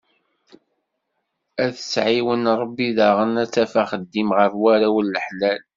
Ad tt-iɛiwen Rebbi daɣen ad taf axeddim ɣer warraw n laḥlal.